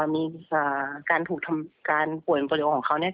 มีการป่วยโปรโลโอของเขาเนี่ย